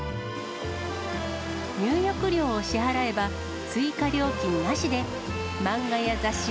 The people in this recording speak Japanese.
入浴料を支払えば、追加料金なしで、漫画や雑誌